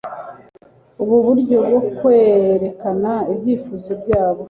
Ubu buryo bwo kwerekana ibyifuzo byabo